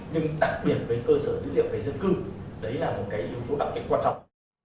nhưng đặc biệt với cơ sở dữ liệu về dân cư đấy là một cái yếu tố đặc biệt quan trọng